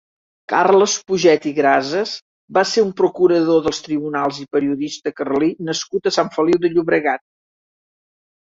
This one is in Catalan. Carles Puget i Grases va ser un procurador dels tribunals i periodista carlí nascut a Sant Feliu de Llobregat.